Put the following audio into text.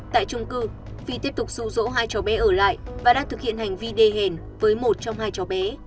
tại trung cư phi tiếp tục dụ dỗ hai cháu bé ở lại và đã thực hiện hành vi đê hèn với một trong hai cháu bé